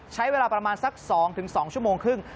ใช้เวลาประมาณสัก๒๒ชั่วโมงครึ่ง